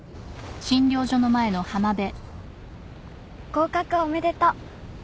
合格おめでとう。